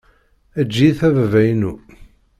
Eǧǧ-iyi-t a baba-inu.